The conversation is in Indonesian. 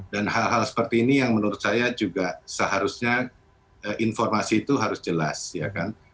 dan hal hal seperti ini yang menurut saya juga seharusnya informasi itu harus jelas ya kan